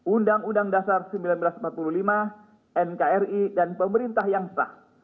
undang undang dasar seribu sembilan ratus empat puluh lima nkri dan pemerintah yang sah